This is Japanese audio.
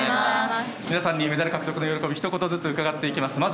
皆さんにメダル獲得の喜びひと言ずつ伺っていきます。